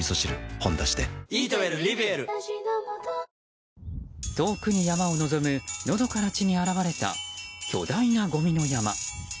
「ほんだし」で遠くに山を望むのどかな地に現れた巨大なごみの山。